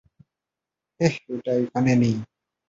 হেই, ওটা ওখানে নেই।